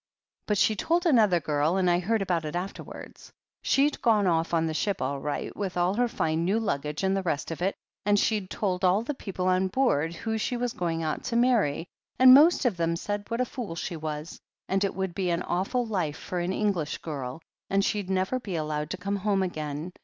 But she told another girl, and I heard about it afterwards. She'd gone off on the ship all right, with all her fine new luggage and the rest of it, and she'd told all the people on board who she was going out to marry, and most of them said what a fool she was, and it would be an awful life for an English girl, and she'd never be allowed to come home again.